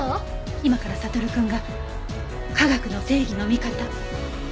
今から悟くんが科学の正義の味方。